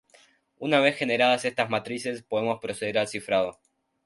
Una vez generadas estas matrices, podemos proceder al cifrado.